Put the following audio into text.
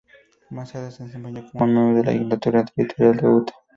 Más tarde se desempeñó como miembro de la legislatura territorial de Utah.